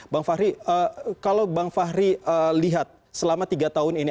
bang fahri kalau bang fahri lihat selama tiga tahun ini